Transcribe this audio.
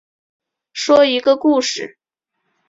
说一个故事